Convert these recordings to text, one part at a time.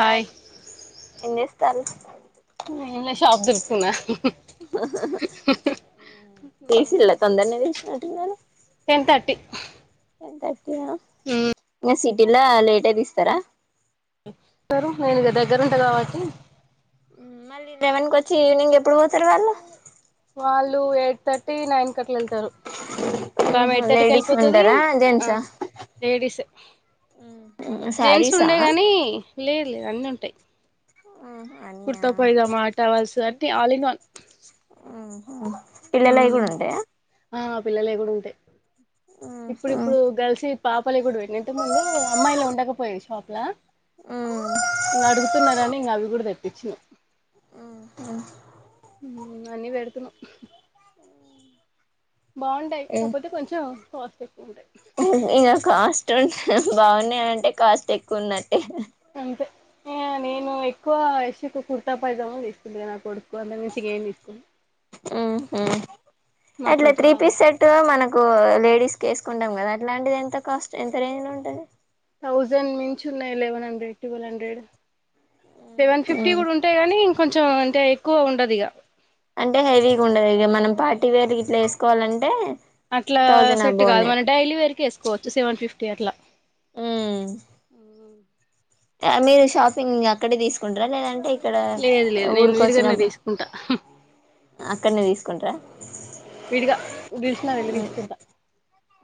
Hi ఎంజెస్థాల్ నేనా shop దుల్పుతున్నా, తీసిల్లా తొందరనే తీసినట్టున్నారు టెన్ తర్టీ. టెన్ థర్టీ నా? హ్మ్ సీటీల లేటే తీస్తరా? టరు నేనిగ దగ్గరుంట కాబట్టి మళ్ళీ లెవెన్ కొచ్చి ఈవినింగ్ ఎప్పుడు పోతరు వాళ్ళు? వాళ్ళు ఎయిట్ థర్టీ, నైన్ కట్లెళ్తరు. ఒకామె ఉహు ఎయిట్ లేడీస్ తట్టికెల్పోతదీ ఉంటారా ఆ జెంట్సా లేడీసే. జెంట్స్ శారీసా ఉండే గనీ లేద్లేదు అన్నుంటయి. ఆహ కుర్తా పయిసామా, టవల్స్ అన్ని ఆల్ ఇన్ వన్. ఆహా పిల్లలై గూడుంటయా? పిల్లలై గూడుంటయ్ ఇప్పుడిప్పుడు గల్సియి, పాపలయ్ కూడ పెట్టినం. ఇంతకు ముందు అమ్మాయిలవి ఉండకపోయేది షాప్. ట్లా ఉహు ఇంగ అడుగుతున్నరని ఇంగా అవి కూడ తెప్పించినం. ఇంగన్నీ పెడుతున్నం. బాగుంటయి కాకపోతే కొంచెం కాస్టేక్కువుంటయ్. ఇగ కాస్ట్ ఉన్ బాగున్నయంటే కాస్ట్ ఎక్కువున్నట్టే. అంతే, ఇగ నేను ఎక్కువ యశుకు కుర్తా పైజామా తీసుకుంట నా కొడుక్కు, అంతక్మిమ్చి ఇంగేం తీసుకోను. ఉంహు మాకు అట్లా కొంచెం త్రీ పీస్ సేట్టు మనకు లేడీస్ స్కేసుకుంటాం కదా అట్లాంటిది ఎంత కాస్ట్? ఎంత రేంజ్ లో ఉంటది? థౌజండ్ మించి ఉన్నయి eleven hundred twelve hundred. Seven fifty గూడుంటయి గాని కొంచెం అంటే ఎక్కువ ఉండదిగ అంటే హెవీగుండదు ఇగ మనం పార్టీ వేర్ గిట్ల ఏసుకోవాలంటే అట్లా సెట్ గాదు మన డైలీ వేర్కి ఏసుకోవచ్చు సెవెన్ ఫిఫ్టీ అట్లా మీరు షాపింగ్ అక్కడే తీసుకుంటర లేదంటే ఇక్కడ లేదు లేదు నేను ఊరిక విడిగన్నే తీసుకుంటా అక్కడ్నే తీసుకుంటరా విడిగా దిలిసిన వెళ్ళి తీసుకుంటా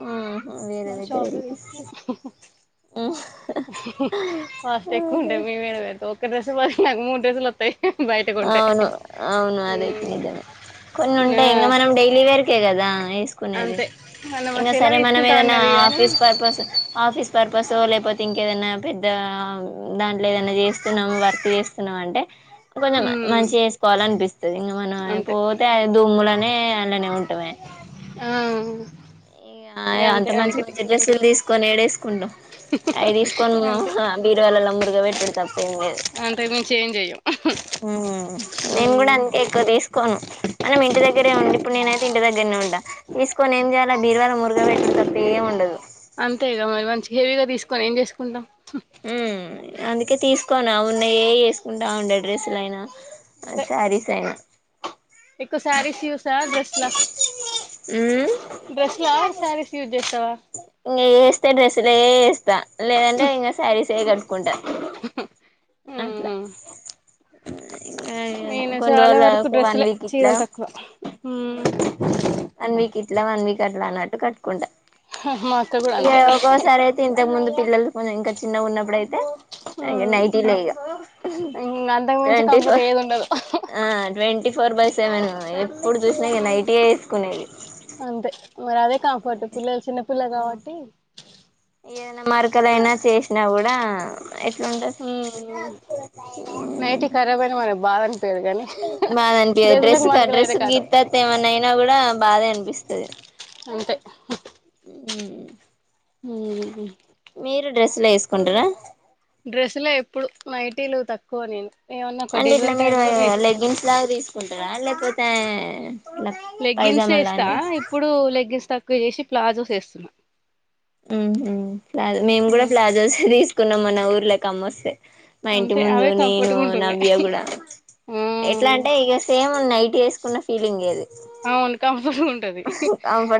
ఆ ఆ వేరే దగ్గరెళ్ళి తీస్కే కాస్టెక్కువుంటాయ్ మేమేడ [inaudible] ఒక డ్రస్సు [unintelligible] నాకు మూడ్రస్సు లొత్తయి అవును అవును అదైతే మ్మ్ నిజమే కొన్నుంటాయి ఆ ఇంగ మనం డైలీ వేర్ కే గదా వేసుకునేది అంతే మొన్న మా ఇంగ చెల్లె సరే తీసుకుంటా మనమేదన్నా అన్నది కానీ office purpose office purpose so లేపోతే ఇంకేదన్న పెద్ద దాంట్లో ఏదనా చేస్తున్నాము వర్క్ చేస్తున్నామంటే కొంచెం మ్మ్ మంచి గేసుకోవాలనిపిస్తది ఇంగ మనం అంతే పోతే దుమ్ములనే లనే ఉంటమే ఆ ఇగ అంతే అంత మంచి అందుకే మంచి తీసుకో డ్రెస్సులు తీసుకోని ఏడేసుకుంటం అయి తీసుకోని అంతే బీరువాలలో మురుగ పెట్టుడు తప్ప ఏం లేదు! అంతకు మించి ఏం చెయ్యం నేను గుడ మ్మ్ అంతే ఎక్కువ తీసుకోను మనం ఇంటి దగ్గరే ఉండి ఇప్పు నేనైతే ఇంటి దగ్గిర్నే ఉండా తీసుకొని ఏం చెయాల బీర్వాల మురగ బెట్ ఇప్పుడు తప్పేముండదు అంతే ఇగ మరి మంచి హెవీగా తీసుకొని ఏం చేసుకుంటాం అందుకే తీసుకోను అవున్నయే ఏసుకుంటాండే డ్రస్సులైనా ఆ అంతే శారీసైన ఎక్కువ శారీస్ యూసా డ్రస్ లా మ్మ్ డ్రస్ లా శారీస్ యూజ్ చేస్తావా? నియేస్ తే డ్రస్లే ఏస్త లేదంటే ఇంగ శారీసే కడ్ అట్ల మ్మ్ నేను చాలా కొన్రోలు వరకు ఒక వన్ డ్రెస్సులే వీక్ ఇట్లా చీరలు తక్కువ మ్మ్ వన్ వీకిట్ ఇట్ల వన్ వీక్ అట్ల అన్నట్టు కట్కుంటా మా అక్క కూడా ఇగ అంతే ఒకోసారైతే ఇంతముందు పిల్లలు కొంచెం ఇంకా చిన్నగా ఉన్నప్పుడయితే అ నైటీ నే ఇగ ఇంగ అంతకు మించి ట్వంటి కంఫర్ట్ ఫోర్ ఏది ఉండదు ఆ ట్వంటి ఫోర్ బస్ సెవెన్ ఎప్పుడు చూసినా ఈ నైటీఏ వేసుకునేది అంతే మరి అదే కంఫర్ట్ పిల్లలు చిన్నపిల్లలు కాబట్టి ఏదనా మార్కలయినా చేసినా కూడా ఎట్లుంటది మ్మ్ నైటీ ఖరాబ్ అయినా మనకు బాధ అనిపియదు కానీ బాదంట దజులకు డ్రెస్ క మనకులు అయితే డ్రెస్ కాదు గీతత్ ఏమన్నా అయినా కూడా బాధే అనిపిస్తది కా అంతే ఉ ఉ మీరు డ్రెస్సులు వేసుకుంటారా డ్రెస్సులో ఎప్పుడు నైటీలు తక్కువ నేను ఏమన్నా ఒక అంటే ఇట్లా డెలివరీ మీరు టైమ్ లోనే వేసుకున్నా లెగ్గిన్స్ లాగా తీసుకుంటారా లే యా లెగ్గిన్సే వేస్తా ఇప్పుడు లెగ్గిన్స్ తకు ఇ చేసి ప్లాజోస్ ఏస్తున్నా ఉహు ప్లా మేము కూడా ప్లాజాస్ తీస్ కున్నాం మన ఊర్ల అమ్మ వస్తే మా ఇంటి అంతే ముందు అవే నేను కంఫర్ట్గా ఉంటున్నాయి నవ్య కూడా ఎట్లా మ్మ్ అంటే ఇక సేమ్ నైట్ వేసుకున్న ఫీలింగ్ లేదు అవును కంఫర్గా ఉంటది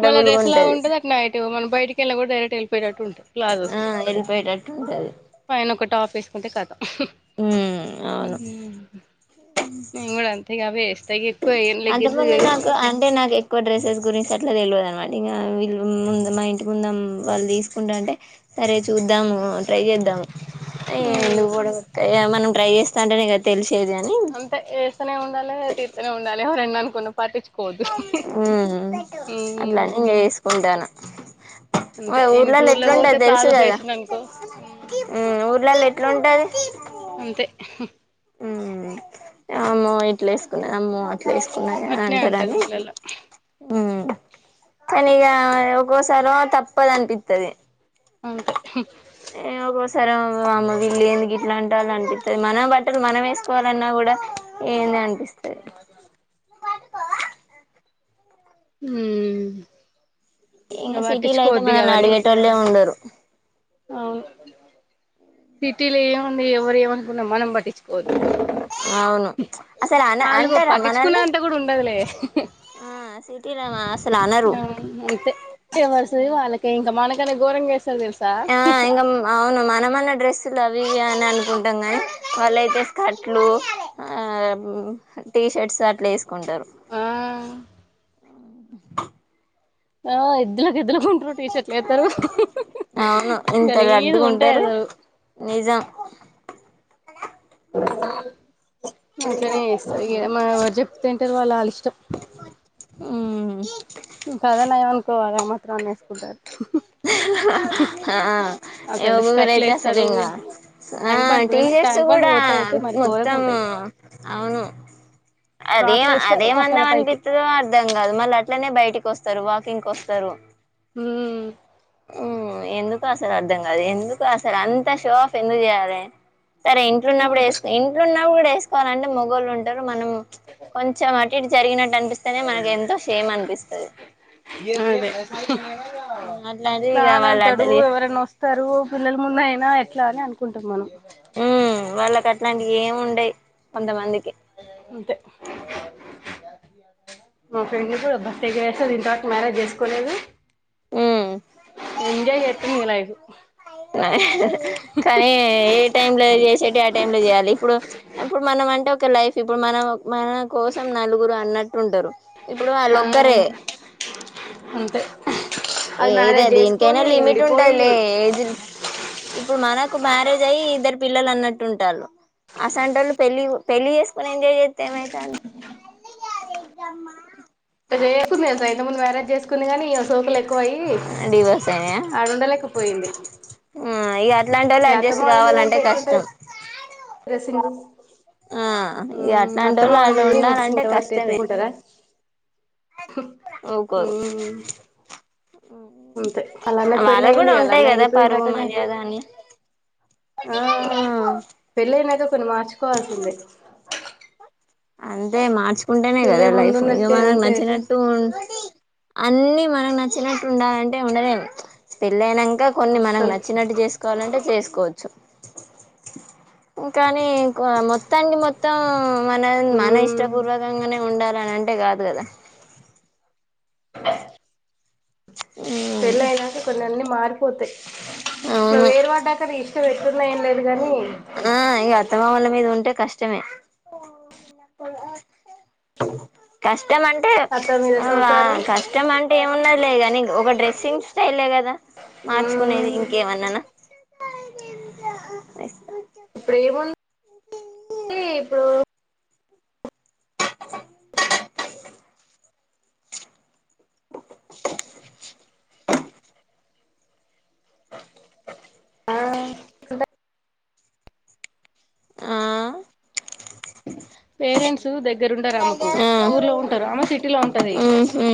మళ్ళీ డ్రెస్ లా ఉంటది అట్ నైటి మన బయటకి వెళ్ళ కూడా డైరక్ట్ వెళిపోయేటట్టు ప్లాజోస్ ఆ వెళ్ళిపోయేటట్టు ఉంటది పైన ఒక టాఫీ అంతే కదా మ్మ్ అవును మేము కూడా అంతేకా అవే వేస్తా తగే కొని లెగిన్స్ అంతకుముందు నాకు అంటే నాకు ఎక్కువ డ్రెస్సెస్ గురించి అట్లా తెలియదునమాట ఇంకా వీళ్ళ ముందు మా ఇంటి ముందు వాళ్ళు తీసుకుంటు అంటే సరే చూద్దాము ట్రై చేద్దాము ఎందుకు కూడా మనం ట్రై చేస్తా అంటేనే తెలుస్ అంత ఏస్తనే ఉండాలి తీస్తనే ఉండాలి రెం ఉన్ పాటీ ఉ అట్లా ఉమ్ అని చేసుకుంటాను మన అంతే నేను ఇప్పుడు ఊర్లలో ఊర్లో పోతే ఎట్లుంటది తెలుసు ప్లాజోస్ కదా వేసిన అనుకో హ్మ్ హు ఊర్లలో ఎట్లుంటది అంతే హు అమ్మో ఇట్లు వేసుకున్నది అమ్మో వేసుకున్నది అని అట్నే అంటారు అని ఊర్లలో హు కానీ ఇగా ఒక్కోసారి తప్పదు అనిపిస్తుది అంతే ఏ ఒక్కోసారి వామ్మో వీళ్ళు ఎందుకు ఇట్లా అంటాలు అనిపిస్తుంది మనం బట్టలు మనం వేసుకోవాలన్నా కూడా ఏంది అని పిస్తది ఉహు ఇంకా సిటీలో అయితే మనల్ని అడిగేటోలే ఉండరు అవును సిటీలో ఏముంది ఎవరు ఏమనుకున్నా మనం పట్టించుకోవదు అవును అసలు అన వాళ్లు అంటారా పట్టించుకునే మనల్ని అంత కూడా ఉండదులే ఆ సిటీలో అసలు అనరు అంతే ఎవరు సోయి వాళ్ళకే ఇంకా మనకి ఇక్కడ గోరంగా ఏస్తారు తెలుసా ఆ ఇంగ అవును మనము న్న డ్రెస్సులు అవి అని అనుకుంటాం కానీ వాళ్ళయితే స్కట్లు ఆ హు టీ షర్ట్స్ అట్లా వేసుకుంటారు ఆ [inaudible] ఆ ఎద్దులు ఎద్దుల కు ఉంటారు టీ షర్ట్లు ఎస్తారు అవును ఇంత గలీజ్ గా లడ్డుగా ఉంటాయి ఉంటారు అసలు నిజం అట్లనే ఎస్తరు ఇగ మా ఎవరు చెప్తే వింటరు వాళ్ళు వాళ్ళ ఇష్టం [inaudible] ఇంకా అదే నాయ్యం అనుకోవాలే ఆ మాత్రం అన్నా వేసుకుంటారు ఆ ఏ ఓ అసలు గోగురు స్కర్ట్లు అయితే అసలు వేస్తారు ఇంకా ఆ tank band T shirts tank band కూడా పోతాయి అయితే మరి ఘోరంగా మొత్తం ఉంటాయి అవును అదే ఫ్రాక్లు అదే వేస్తారు ఏం మోకాళ్ళ అందం పైకి అనిపిస్తుందో అర్థం కాదు మళ్ళీ అట్లనే బయటికి వస్తారు వాకింగ్ వస్తారు ఉమ్ హు ఎందుకు అస అర్థం కాదు ఎందుకు అసలు అంత అంత షో ఆఫ్ ఎందు చేయాలే సరే ఇంట్లున్నప్పుడు ఏస్తే అదే ఇంట్ల ఉన్న కూడా ఏసు ఎసుకోవాలంటే మొగళ్ళు ఉంటారు మనం కొంచెం అటు ఇటు జరిగినట్టు [inaudible] అనిపిస్తేనే మనకి ఎంతో షేమ్ అనిపిస్తది హ్మ్. అట్లాంటిది ఇగ నాన్న వాళ్ళు ఉంటాడు అట్లా చే ఎవరైనా వస్తారు పిల్లల ముందు అయినా ఎట్లా అని అనుకుంటాం మనం హ్మ్ వాళ్ళకి అట్లాంటి ఏమి ఉండేయి కొంతమందికి అంతే మా ఫ్రెండ్స్ అబ్బా మస్త్ ఎంజాయ్ అసలు ఇంతవరకు మ్యారేజ్ చేసుకోలేదు హ్మ్ ఎంజాయ్ చేస్తుంది నీ లైఫ్ కానీ ఏ టైమ్ లో ఏది చేసిటియి ఆ టైమ్ లో చేయాలి ఇప్పుడు ఇప్పుడు మనం అంటే ఇంక లైఫ్ ఇప్పుడు మనం మన కోసం నలుగురు అన్నట్టు ఉంటరు. ఇప్పుడు వాళ్ళు ఒక్కరే అంతే అది మ్యారేజ్ ఏదాది దినికైనా చేసుకొని లిమిట్ విడిపోయి ఉంటదిలే ఏజ్ ఇప్పుడు మనకు మ్యారేజ్ అయ్యి ఇద్దరు పిల్లలు అన్నట్టు ఉంటాళ్ళు అసంటోళ్ళు పెళ్ళి పెళ్ళి చేసుకొని ఎంజాయ్ చేత్తె ఏమైతాంది. ఎట్టా చేసుకుంది తెల్సా ఇంత ముందు మ్యారేజ్ చేసుకుంది గాని సోకులు ఎ డివర్స్ అయినాయా ఉండలేకపోయింది ఇగ అట్లాంటోళ్ళు ఇగ అత్తమ్మ అడ్జస్ట్ వాళ్ళ మీద ఉంటే కావాలంటే ఎట్లుంటది కష్టం డ్రెస్సింగ్ ఆ ఇగ అత్తమ్మ అట్లాంటోళ్ళు వాళ్ళ అడ మీద ఉండాలంటే కష్టమే హ్మ్ ఊకోరు హ్మ్ అంతే అలాన్నకు వాళ్ళకు కూడా పెళ్ళయింది ఉంటాయి అలాన్న కదా ఎళ్ళి పోయిండు పరువు అట్టనే మర్యాద అని ఆ పెళ్ళి అయిన్నాక కొన్ని మార్చుకోవాల్సిందే అంతే మార్చ్ కుంటేనే కదా పెళ్ళై లైఫ్ ఇగ ముందున్నట్టే మనకు ఉంటే ఎట్లా నచ్చినట్టు ఉ అన్ని మనకు నచ్చినట్టు ఉండాలంటే ఉండలేం పెళ్ళి అయిన్నా ఇంకా కొన్ని మనం అస్సలు నచ్చినట్టు చేసుకోవాలంటే చేస్ కొవచ్చు కాని మొత్తానికి మొత్తం మన ఉమ్ ఇష్టపూర్వకంగానే ఉండాలి. అలానంటే కాదు కదా [unintelligible] పెళ్ళి అయ్యేదాకా కొన్నని మారిపోతాయ్ నువ్వు అవును వేరు పడ్డాక తీయ్ నువేట్లున్న ఏం లేదు గని ఆ ఇగ అత్తమామల మీద ఉంటే కష్టమే కష్ట్ కష్టం అంటే చ్ అత్త మీద ఆ సంసారం కష్టం అంటే ఏమున్నది లేదు గని ఒక డ్రెస్సింగ్ స్టలే కదా మార్చుకునేది ఉమ్ ఇంకేమన్నానా [unintelligible] ఇప్పుడు ఏముంది ఇప్పుడు [unintelligible] ఆ పేరెంట్స్ దగ్ దగ్గరుండరు ఆమెకు ఆ ఊర్లో ఉంటారు ఆమె సిటీలో ఉంటది. ఉహు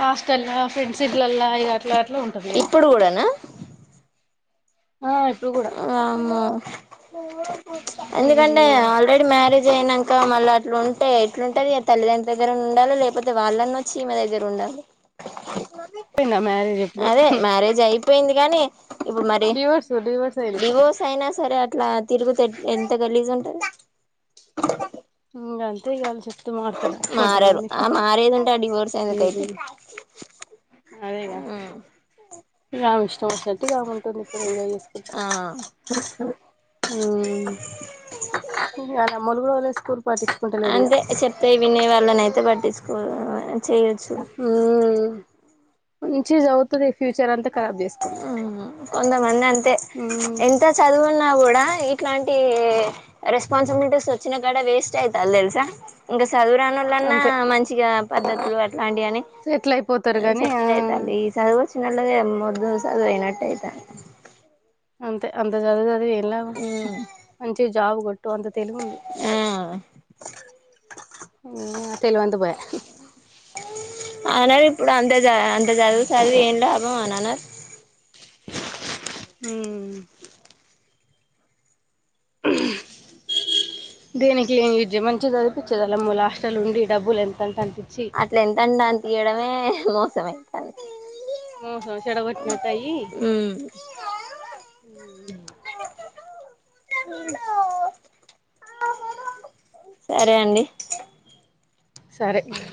హాస్టల్ లాఫింద్ సిర్లల్లా ఈగ అట్లా అట్లా ఉంటది ఇగా ఇప్పుడు కూడానా వామ్మో [unintelligible] ఎందుకంటే ఉమ్ ఆల్రెడీ మ్యారేజ్ అయినా ఇంకా మళ్ళీ అట్లు ఉంటే ఎట్లుంటంది ఆ తల్లిదండ్రు దగ్గర ఉండాలి లేకపోతే వాళ్ళని వచ్చి ఈమె దగ్గర ఉండాలి నా మ్యారేజ్ ఎప్పుడు అదే మ్యారేజ్ అయిపోయింది గానీ డివోర్స్ డివోర్స్ అయినా డివోర్స్ అయినా సరే అట్లా తిరుగుతే ఎంత గలీజ్ ఉంటది ఇంకా అంతే గా చెప్ మర్తార కొంత మారరు మంది ఆ మారేది ఉంటే ఆ డివోర్స్ ఎందుకైతే అదేగా రా ఇష్టం అసల పట్టిగా ఉంటుంది ఇప్పుడు ఎంజాయ్ చేసుకుంటే ఆ అమ్మలు కూడా వాళ్ళ స్కూల్ పాటించుకుంటలేరు ఇక తీసుకో ఆ మంచిగా చదువుతాడ ఫ్యూచర్ అంత ఉమ్ కొంతమంది అంతే ఎంత చదువు ఉ కూడా ఇట్లాంటి రెస్పాన్సిబిలిటీస్ వచ్చినా కాడ వేస్ట్ అయితారు తెలుసా ఇంకా చదువు రాని వాళ్ళన్నా అంతే మంచిగా పద్ద్దతులు అట్లాంటి అని సెటిల్ అయిపోతారు గానీ ఆ సెటిల్ అయితారు ఈ చదువు వచ్చిన వాళ్ళదే ద ఆదియినట్ట అయితేా అంతే అంతే చదివి చదివి ఎలా మంచి జాబ్ కొట్టు అంత తెలివి ఉంది ఆ ఉమ్ తెలివి అంతా పోయా అనా ఇప్పుడు అంద అంత చదువు చదువు ఏం లాభం అనన్నారు ఉమ్ దేనికి ఏం విద్య మంచిది చనిపించేదలమ్మ లాస్టల్ ఉండి డబ్బులు ఎంతంటంట అట్ల ఎంతండి అని తయడమే [unintelligible] ఒ ఫోన్ సెడ్ గొట్నయ్యి ఉమ్ సరే అండి సరే ఉమ్